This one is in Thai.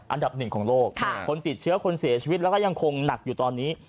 อันดับหนึ่งของโลกคนติดเชื้อคนเสียชีวิตแล้วก็ยังคงหนักอยู่ตอนนี้